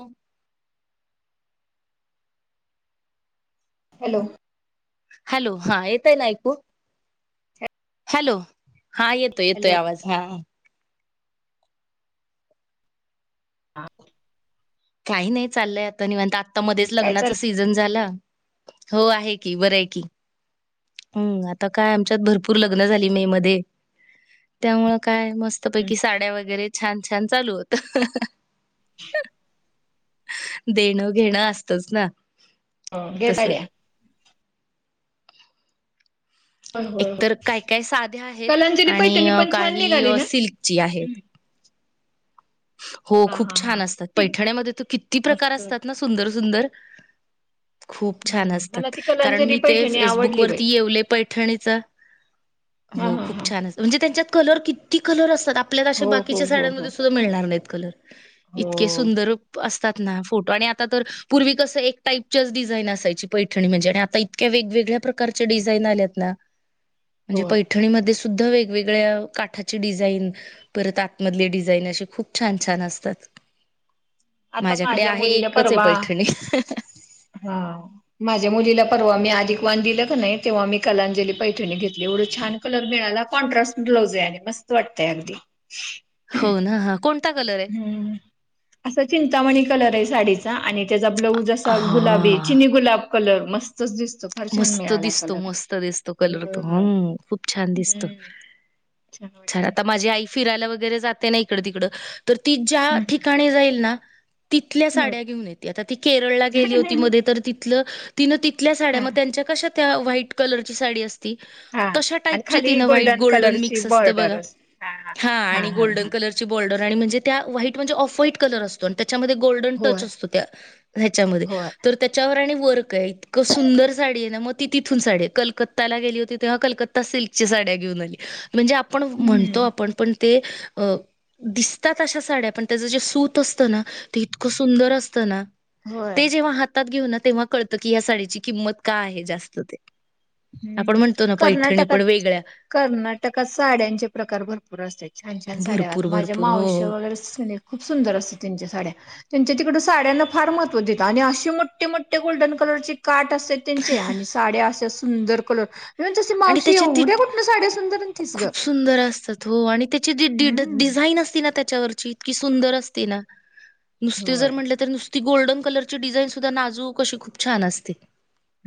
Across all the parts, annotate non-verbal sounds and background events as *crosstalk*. हो hello hello हा येतोय ना ऐकू हॅलो हा येतोय येतोय हॅलो आवाज हा हा काही नाही चाललंय आता निवांत आत्ता लगेच मध्येच काय लग्नाच चाल सीझन झाल हो आहे की बरं आहे की हम् आता काय आमच्यात भरपूर लग्न झाली मे मध्ये त्यामुळ काय मस्त पैकी साड्या वगैरे छान छान चालू होत. *inaudible* देणं घेणं असतच ना. घे तस साड्या होय होय होय एकतर काय काय साध्या आहेत कलांजली आणि पैठणी पण छान काही निघाली ना सिल्कची आहेत. हो हा खूप हा हा छान असतात ती पैठण्यामध्ये तर किती प्रकार मस्त वाट असतात ना सुंदर सुंदर खूप छान हम्म मला असतात ती कारण कलांजली मी ते पैठणी आवडली बाई फेसबुकवररती येवले पैठणीच हा हो हा खूप हा छान अस. म्हणजे त्यांच्यात कलर किती कलर असतात आपल्यात अशा हो हो बाकीच्या हो हो साड्यांमध्ये सुद्धा मिळणार नाहीत कलर. हो इतके सुंदर असतात ना फोटो आणि आता तर पूर्वी कसं एक टाईपच्याच डिझाईन असायची पैठणी म्हणजे आणि आता इतक्या वेगवेग्या प्रकारचे डिझाईन आल्यात ना. म्हणजे होय पैठणीमध्ये ध वेगवेगळ्या काठाची डिझाईन परत आतमधले डिझाईन अशी खूप छान छान असतात आता माझ्याकडे माझ्या आहे मुलीला एकच आहे परवा पैठणी. हा माझ्या मुलीला परवा मी अधिक वान दिलं का नाही तेव्हा मी कलांजली पैठणी घेत. एवढं छान कलर मिळाला कॉन्ट्रास्ट ब्लाउज आहे आणि मस्त वाटतय अगदी. हो ना ह कोणता कलर आहे. ह् असा चिंतामणी कलर आहे साडीचा आणि त्याचा ब्लाऊज असा गुलाबी हा चिनी गुलाब कलर मस्तच दिसतो. फार छान मस्त मिळाला दिसतो कलर मस्त दिसतो कलर तो होय. हम खूप छान दिसतो. हम्म छान वाटते आता माझी आई. फिरायला वगैरे जाते ना इकड तिकड तर ती ज्या हम्म ठिकाणी जाईल ना. तिथल्या हम्म हम्म. साड्या घेऊन येते आता ती केरळला गेली होती मध्ये तर तिथलं तिनं तिथल्या हा साड्यामध्ये त्यांच्या कशा त्या व्हाईट कलरची साडी असते. हा तश आणि टाईप खाली तिन व्हाईट गोल्डन कलरची मिक्स असत बॉर्डर बघा. असते हा आणि हा हा. गोल्डन कलरची बॉर्डर आणि म्हणजे त्या व्हाईट म्हणजे ऑफ व्हाट कलर असतो. त्याच्यामध्ये गोल्डन होय टच असतो त्या ह्याच्यामध्ये. होय तर त्याच्यावर आणि वर्क आहे इतकं सुंदर साडी आहे ना मग ती तिथून साडी कलकत्ताला गेली होती तेव्हा कलकत्ता सिल्कच्या साड्या घेऊन आली. म्हणजे आपण म्हणतो हम्म आपण पण ते अ दिसतात अशा साड्या पण त्याचं जे सूत असतं ना ते इतकं सुंदर असतं ना. होय ते जेव्हा हातात घेऊ ना तेव्हा कळत की या साडीची किंमत का आहे जास्त ते. आपण हम्म म्हणतो ना पैठणी पण कर्नाटकात वेगळ्या कर्नाटकात साड्यांचे प्रकार भरपूर असते छान छान साड्यावर भरपूर आता माझ्या भरपूर हो मावश हो वगैरे सुने खूप सुंदर असते त्यांच्या साड्या. त्यांच्या तिकड साड्यांना फार महत्त्व देत आणि अशेमोठे मोठे मोठे गोल्डन कलरची काट असते. त्यांचे आणि साड्या असशा सुंदर कलर ण तशी आणि मावशी त्याच्यात ती एवढ्या कुठनं साड्या सुंदरण आणतीस गं. खूप सुंदर असतात हो आणि त्याची जी डि डिझाईन असते ना त्याच्यावरची इतकी सुंदर असते ना नुस्तं जर होय म्हटलं तर ती गोल्डन कलरची डिझाईन सुद्धा नाजूकशी खूप छान असते.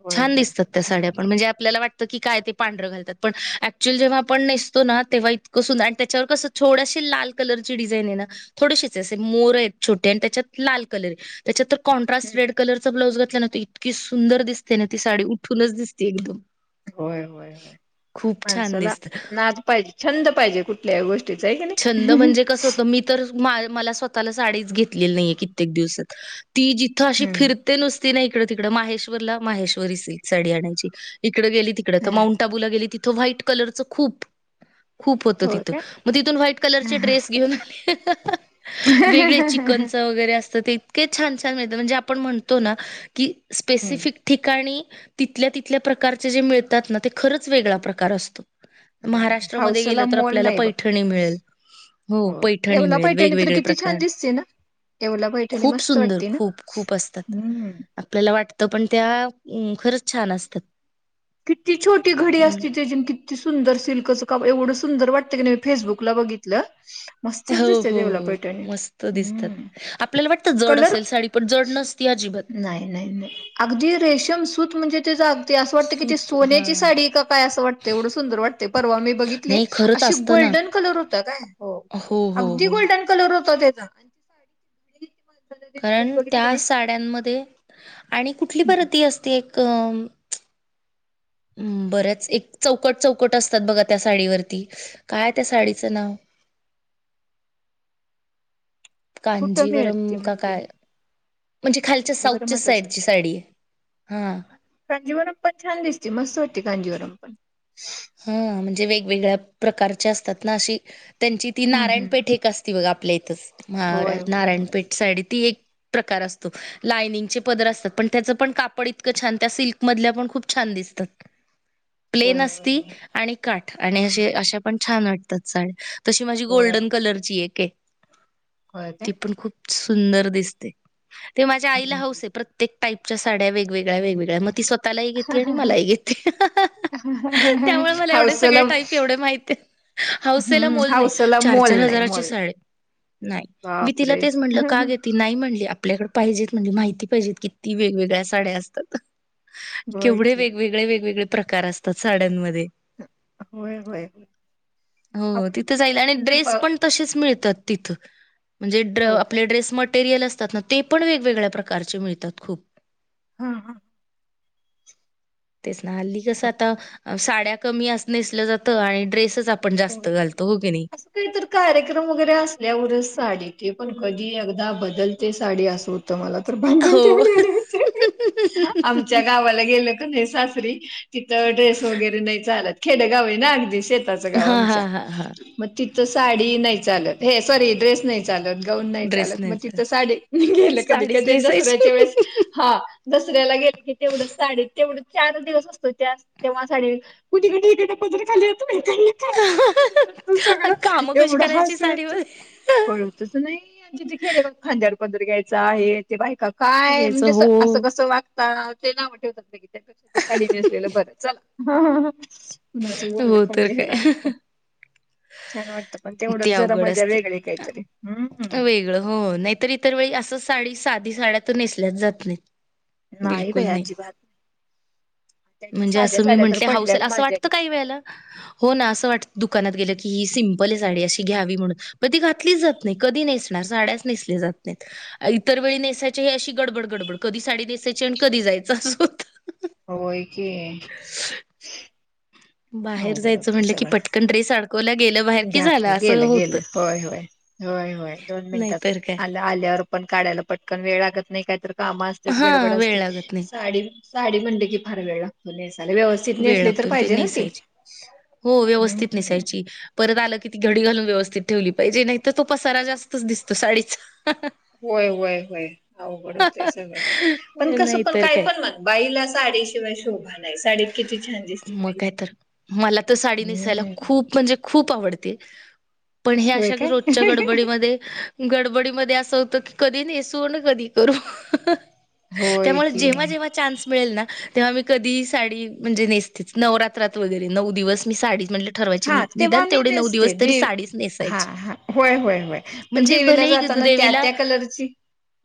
होय छान होय दिसतात त्या साड्या मस्तच पण म्हणजे आपल्याला वाटत काय ते पांढर घालतात पण ऍक्चुअल जेव्हा आपण नेसतो ना तेव्हा इतकं सुंदर आणि त्याच्यावर कसं छोडाशी लाल कलरची डिझाईन आहे ना थोडशीच असे मोर आहेत छोटे आणि त्याच्यात लाल कलर आहे. त्याच्यातर कॉन्ट्रास्ट हम्म रेड कलर ब्लाउज घातला ना त इतकी सुंदर दिसते ना ती साडी उठूनच दिसते एकदम. होय होय होय खूप छान माणसाला दिसते. ना पाहिजे छंद पाहिजे कुठल्या गोष्टीच आहे की छंद नाही? म्हणजे कसं होतं मी मला स्वतःला साडीच घेतलेली नाहीे कित्येक दिवसात ती जिथ अशी हम्म फि ते नुसती नाही इकडे तिकडे महेश्वरला महेश्वरी सिल्क साडी आणायची इकडें गेली तिकड तर हा माउंट त व व्हाईट कलर खूप खूप. होतं हो तिथं. काय मग तिथून व्हाईट कलर चे ड्रेस घेऊन आले वेगळे चिकनचा वगैरे असतं ते. के छान-छान मिळतात म्हणजे आपण म्हणतो ना की हम्म स्पेसिफिक ठिकाणी तिथल्या तिथल्या प्रकारचे जे मिळतात ना ते खरंच वेगळा प्रकार असतो. होय महाराष्ट्रामध्ये गेलं हावसाला तर मोल आपल्याला नाही बघ. पैठणी मिळेल. हो होय पैठणी येवला मिळेल पैठणी तर वेगवेगळे किती छान प्रकार. दिसते ना येवला पैठणी खूप मस्त सुंदर वाटते ना. खूप-खूप असतं. हम्म. आपल्याला वाटतं पण त्या खरंच छान असतात. किती छोटी घडी असती म्हणलं त्याजीन कि ती सुंदर सिल्कचा काप एवढं सुंदर वाटतं की मी फेसबुकला बघितलं. मस्तच हो दिसते हो तेवला हो पैठणी मस्त दिसतात. हम्म आपल्याला वाटतं जड कलर असेल साडी पण जड नसती अजिबात. नाही नाही नाही अगदी रेशम सूत म्हणजे तेजा अगदी असं वाटत कि सूत हा सोन्याची साडी कपाय असं वाटते एवढं सुंदर वाटते परवा मी बघितली. नाही खरंच अशी असतं ना गोल्डन कलर होत काय हो हो, अगदी हो. गोल्डन डन कलर होता त्याचा. माणसाला कारण मध्ये बघितली की त्या नाही साड्यांमध्ये आणि कुठली हम्म. परती असते एक अम्म हम्म बर्याच एक चौकट चौकट असतात बघा त्या साडीवरती काय त्या साडीचं नाव? कुठं कांजीवरम मिळते का म्हणजे काय? म्हणजे खालच्या साऊथच्या कांजीवरमच असेल साईडची साडी आहे हा. होय का? कांजीवरम पण छान दिसते मस्त वाटते कांजीवरम पण. हां म्हणजे वेगवेगळ्या प्रकारच्या असतात ना अशी त्यांची ती हम्म नारायण हम्म पेठ एक ती बघा आपल्या इथच होय होय होय नारायणपेठ साडी ती एक प्रकार असतो लायनिंग चे पदर असतात पण त्याच पण कापड इतकं छान त्या सिल्क मधल्या पण खूप छान दिसतात. होय होय प्लेन अस होय होय आणि काठ आणि हम्म. अशे अशा पण छान वाटतात साड्या तशी माझी होय गोल्डन कलरची एक आहे होय काय ती पण खूप सुंदर दिसते ते माझ्या आईला हौस आहे प्र प्रत्येक टाईपच्या साड्या वेगवेगळ्या वेगवेगळ्या मग ती स्वतःलाही हम्म. घेते आणि मलाही घेते. त्यामुळे मला एवढे सगळे हौसला टाईप एवढे माहितेय. हौसेला हम्म मोल नाही हौसला मोल चार-चार नाही हजाराची मोल नाही साडी. नाही मी तिला बापरे तेच म्हणलं का घे ती नाही म्हणली आपल्याकडे पाहिजेत म्हणली माहिती पाहिजेत किती वेगवेगळ्या साड्या असतात. होय केवढे की वेगवेगळे वेगवेगळे प्रकार असतात साड्यांमध्ये. होय होय होय हो आपण तिथ बघ, जाईल आणि म्हणजे ब ड्रेस पण तशेच मिळतात तिथं म्हणजे होय का आपले ड्रेस मटेरिअल असतात ना ते पण वेगवेगळ्या प्रकारचे मिळतात खूप. हां हां. तेच ना हल्ली कसं आता साड्या कमी नसलं जातं आणि ड्रेसच आप आपण जास्त घालतो हो की नाही? काहीतर कार्यक्रम वगैरे असल्यावरच साडी ते पण कधी एकदा बदलते साडी असो तो मला तर भानजन हो. *unintelligible* आमच्या गावाला गेले की नाही सास री तिथं ड्रेस वगैरे नाही चालत खेडेगाव ना अगदी शेतात च्या गाव हां, आमच्या हां, हां, हां. म तिथं साडी नाही चालत नाही सॉरी ड्रेस नाही चालत गाऊन नाही ड्रेस चालत म नाहीचा तिथं साडी गेलं साडीच कधी-कधी नेसायची. दसऱ्याच्या वेळेस हा दसऱ्याला गेले की तेवढं साडी तेवढं चार दिवस असतो त्या तेव्हा साडी कुणी कुणी इकडं पदर खाली येतो माहितेय. तू सगळ. कामं कशी एवढं करायची हासुयायच. साडीमध्ये? *unintelligible* तसं नाही तीथे खेडेगावात खांद्यावर पदर घ्यायचा आहे. ते बायका काय, घ्यायचं म्हणजे हो. असं कसं वागता. ते नाव ठेवतात लगेच. त्यापेक्षा ते साडी नेसलेलं बर. चला. कुणाचं बोलन हो खाऊन तर काय. घ्यायला छान वाटतं पण, तेवढंच ते जरा अवघड मजा वेगळी काहीतरी. हम्म. सगळ. हो. नाहीतरी इतर वेळी असं साडी साधी साड्यात नेसल्याच जात नाही. बिलकुल नाही. त्याच्या म्हणजे साध्या असं मी साड्या तर म्हंटले हाऊसहोइल पडल्यात असं माझ्या वाटत किती काही वेळेला. हो ना असं वाट दुकानात गेलं की ही सिंपले साडी अशी घ्यावी म्हणून. पण ती घातलीच जात नाही. कधी नेसणार. साड्याच नेसल्या जात नाही. इतर वेळी नेसायची. हे अशी गडबड गडबड. कधी साडी नेसायची आणि कधी जायचं अस होत. होय कि. बाहेर जायचं म्हटलं की, पटकन ड्रेस अडकवला गेलं बा घातलं. गेलं गेलं. होय होय. होय होय. दोन मिनिटात नाहीतर काय आल. आल्यावर पण काढायला पटकन वेळ लागत नाही. काहीतरी काम असतात. हा गडबड वेळ असती. लागत नाही साडी साडी म्हणल की फार वेळ लागतो नेसायला. व्यवस्थ वेळ लागतो. ते नेसायची. हो व्यवस्थित हम्म नेसायची. परत आलं किती घडी घालून व्यवस्थित ठेवली पाहिजे. नाही तर तो पसारा जास्तच दिसतो. साडीचा. होय होय होय. अवघडचे सगळं. पण कसं पण काय पण म्हण बाईला साडी शिवाय शोभा नाही. साडीत किती छान दिसते मग बाई काय तर. मला तर साडी नेसायला हम्म खूप म्हणजे खूप खूप आवडते. पण हे होय अशा काय रोजच्या गडबडीमध्ये गडबडीमध्ये असं होतं की कधी नेसू आणि कधी करू? होय त्यामुळे जेव्हा की जेव्हा चान्स मिळेल ना तेव्हा मी कधी साडी म्हणजे नेसतेच. नवरात्रात वगैरे. नऊ दिवस मी साडी म्हणल ठरवायची. हा निदान तेव्हा मी तेवढे नऊ नेसते दिवस तरी देव साडीच हा नेसायची. हा होय होय होय पण म्हणजे देवीला भलेही जाताना त्या देवीला. त्या कलरची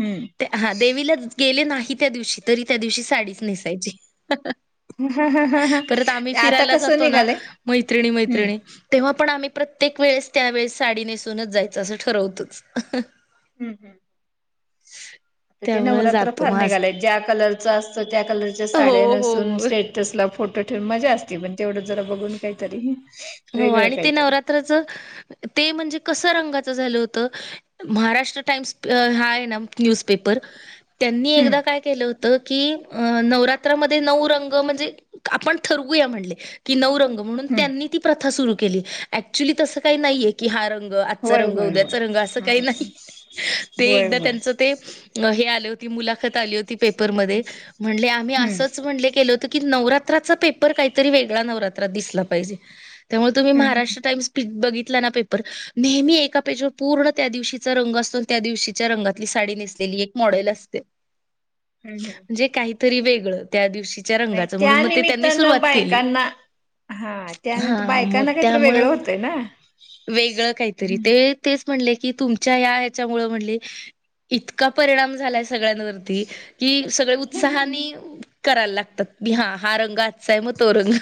हम्म त्या. हा. देवीला गेले नाही त्या दिवशी. तरी त्या दिवशी साडीच नेसायची. ह ह ह हं *unintelligible* परत आम्ही फिरायला जातो ना. मैत्रिणी हम्म मैत्रिणी. तेव्हा पण आम्ही प्रत्येक वेळेस. त्यावेेळेस साडी नेसूनच जायचं असं ठरवतोच. हम्म हम्म. ते त्यामुळे नवरात्र जातो फार मस्त. निघालाय. ज्या कलर असत. त्या कलरच्या हो साड्या हो नेसून. हो. स्टेटस ला फोटो ठेवून. मजा असत. पण. तेवढं जरा बघून काहीतरी. हो वेगळं आणि ते काहीतरी नवरात्राच. ते म्हणजे कसं रंगाचं झालं होतं. महाराष्ट्र टाइम्स हा आहे ना न्यूजपेपर. त्यांनी हम्म एकदा काय केलं होत की, अ नवरात्रामध्ये नऊ रंग म्हणजे आपण ठरवूया म्हणले. की नऊ रंग म्हणून हम्म त्यांनी ती प्रथा सुरू केली. ऍक्च्युली तसं काही नाहीये. की हा रंग. आजचा होय रंग, होय होय उद्याचा रंग. असं काही हम्म नाहीये. ते होय एकदा होय त्यांच ते हे आलं की, ती मुलाखत आली होती पेपरमध्ये. म्हणले आम्ही अस हम्म म्हणले केल त की नवरात्रचा पेपर काहीतर वेगळा नवरात्रात दिसला पाहिजे. त्यामुळे तुम्ही हम्म हम्म महाराष्ट्र टाईम्स बघितला ना पेपर. नेहमी एका पेजवर पूर्ण त्या दिवशीचा रंग असतो. त्या दिवशीच्या रंगातली साडी नेस नेसलेली एक मॉडेल असते. हम्म हम्म म्हणजे काहीतरी वेगळं त्या दिवशीच्या नाही रंगाच. त्या म्हणून मग ते त्यांनी निमित्तानं सुरुवात केली. बायकांना हा त्यानंतर हा मग बायकांना काहीतरी वेगळं त्यामुळं होतंय ना. वेगळं काहीतरी ते. तेच म्हणले की तुमच्या या ह्याच्यामुळे म्हणले इतका परिणाम झालाय सगळ्यांवरती. कि सगळे उत्साहाने करायला लागताती हा हा रंग आजचा आहे मग तो रंग.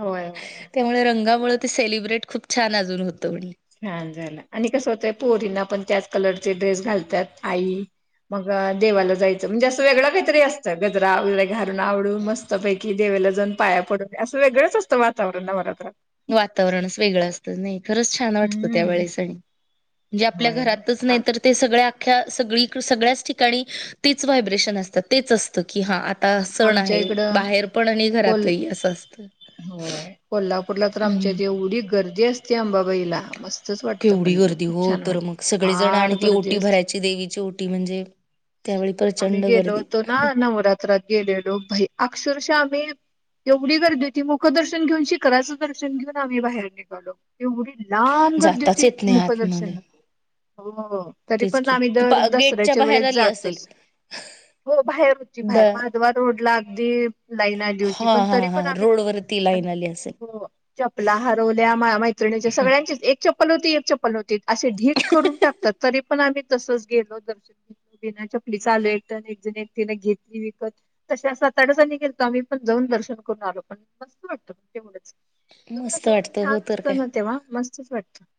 होय होय. त्यामुळे रंगामुळे ते सेलिब्रेट खूप छान अजून होतं म्हण. छान झालं आणि कसं होतय पोरींना पण त्याच कलरचे ड्रेस घालतात आई. मग देवाला जायचं म्हणजे असं वेगळं काहीतरी असतं गजरा घारून आवरुन मस्त पैकी कि देवेला जाऊन पाया पडून असं वेगळंच असतं वातावरन नवरात्रात. वातावरणच वेगळं असतं नाही खरंच. छान वाटतं हम्म त्यावेळेस म्हणजे आपल्या होय होय. घरातच नाहीतर ते सगळ्या अख्या सगळी सगळ्याच ठिकाणी तेच व्हायब्रेशन असतात तेच असत. की हा आता सण आमच्या आहे इकडं बाहेर पण आणि कोल घरातही असं असत. होय कोल्हापूरला तर आमच्यात एवढी गर्दी असते अंबाबाईला मस्त. वाटत केवढी पणजे गर्दी खूप हो छान तर वाटत मग सगळेजण फार आणि ती गर्दी ओटी असते पण. भरायची देवीची ओटी म्हणजे त्यावेळी आम्ही प्रचंड गेलो गर्दी होतो ना नवरात्रात गेलेलो भाई अक्षरशः आम्ही एवढी गर्दी होती मुख दर्शन घेऊन शिखराचं दर्शन घेऊन आम्ही बाहेर निघालो एवढी लांब गर्दी जाताच होती येत नाही आतमध्ये मुखदर्शनला हो तरी तेच पण की आम्ही तू दर पा गेटच्या दसऱ्याच्या बाहेर वेळेस आली असेल जातच. हो बाहेर होची द बाहेर माधवा रोडला अगदी लाईन आली होती हा पण हा तरी पण हा आम्ही. रोडवरती लाईन आली असेल हो चपला हरवल्या मैत्रिणीच्या सगळ्यांचेच एक एक चप्पला होती एक चप्पल होती असे ढीक करून टाकतात तरी पण आम्ही तसच गेलो दर्श. बिना चपली चालू एक एक जण एकटिने घेतली विकत. तस सात आठ जनी गेले होतो आम्ही पण जाऊन दर्शन करून आलो पण मस्त वाटतं तेवढंच. मस्त वातावरण वाटतं छान हो तर असतं काय ना तेव्हा मस्तच वाटतं.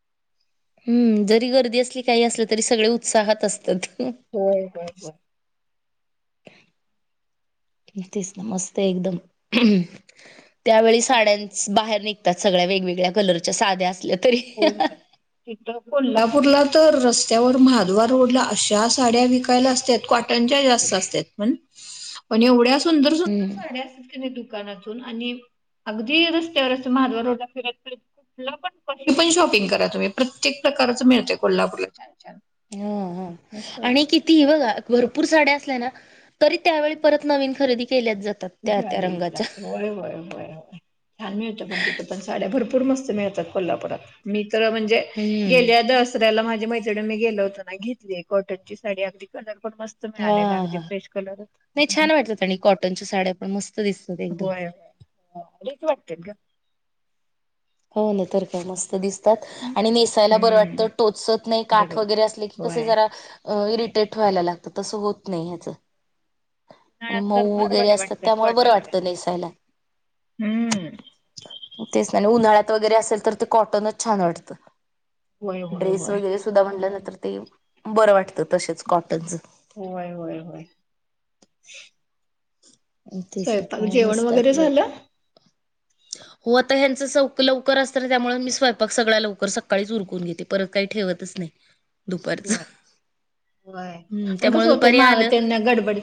हम्म जरी गर्दी असली काही असलं तरी सगळे उत्साहात असतात. हो होय हो. तसत मस्त एकदम. त्यावेळी साड्यांस बाहेर निघतात सगळ्या वेगवेगळ्या कलरच्या साध्या असल्या तरी. इथ कोल्हापूरला तर रस्त्यावर महादवा रोडला अशा साड्या विकायला असतात क. कॉटनच्या जास्त असतात पण. *unintelligible* पण एवढ्या सुंदर सुंदर हम्म साड्या असतात क. दुनातून आणि अगदी रस्त्यावर अस महादवा रोड फिरातय कुठला पण कशी पण शॉपिंग करा तुम्ही प्रत्येक प्रकारच मिळते कोल्हापूरला छान छान. हा ह मस्त आणि वाटतं किती बघा भरपूर साड्या असल्या ना तरी त्यावेळी परत नवीन खरेदी केल्या जातात. त्या त्या घ्यावीच रंगाच्या लागते होय होय होय होय. छान मिळतं पण तिथे पण साड्या भरपूर मस्त मिळतात कोल्हापुरात मी तर म्हणजे. गेल्या हम्म दसऱ्याला माझ्या मैत्रिणी मी गेलो होत ना घेतली कॉटन ची साडी अगदी कलर पण मस्त. मिळाले लागते फ्रेश कलर. त्याच्यात आणि कॉटन. च्या साड्या पण मस्त दिसत. होय एकच वाटते ग. हो ना तर का मस्त दिसत. आणि नेसायला बरं हम्म वाटतं टोचत नाही काठ बरोबर वगैरे असले की कस होय जरा इरिटेट व्हायला लागतं तसं होत नाही ह्याचं आणि उन्हाळ्यात मऊ तर फार वगैरे बऱ्या असतात वाटतात त्यामुळ बरं कॉटनच्या. वाटतं नेसायला. हम्म तेच ना उन्हाळ्यात वगैरे असेल तर ते कॉटनच छान वाटतं. होय होय ड्रेस होय. वगैरे सुद्धा म्हटल्यानंतर ते बरं वाटतं तसेच कॉटनच होय होय होय. स्वयंपाक जेवण वगैरे झालं? ब *inaudible* हो आता ह्यांच सव लवकर असत त्यामुळे मी स्वयंपाक सगळ्या लवकर सकाळीच उरकून घेते परत काही ठेवतच नाही. दुपारच होय होय. हम आणि त्यामुळे कसं होतंय दुपारी माग आलं त्यांना गडबड